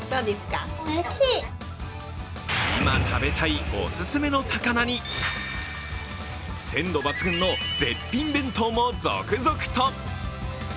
今、食べたいお勧めの魚に鮮度抜群の絶品弁当も続々と。